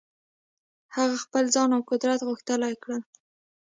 هغه خپل ځان او قدرت غښتلي کړل.